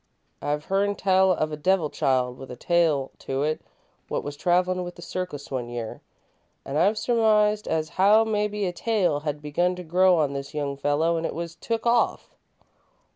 I've hearn tell of a 'devil child' with a tail to it what was travellin' with the circus one year, an' I've surmised as how mebbe a tail had begun to grow on this young feller an' it was took off."